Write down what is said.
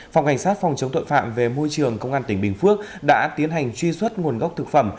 phòng cảnh sát phòng chống tội phạm về môi trường công an tỉnh bình phước đã tiến hành truy xuất nguồn gốc thực phẩm